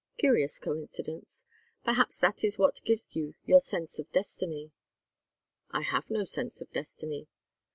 Curious coincidence. Perhaps that is what gives you your sense of destiny." "I have no sense of destiny."